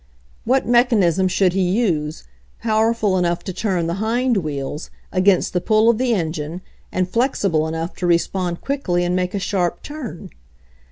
What mechanism should he use, powerful enough to turn the hind wheels, against the pull of the engine, and flexible enough to respond quickly and make a sharp turn?